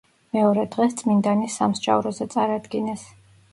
მეორე დღეს წმინდანი სამსჯავროზე წარადგინეს.